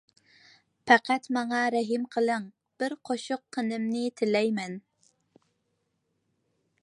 پەقەت ماڭا رەھىم قىلىڭ، بىر قوشۇق قېنىمنى تىلەيمەن!